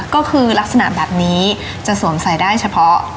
ก็คือลักษณะแบบนี้จะสวมใส่ได้เฉพาะ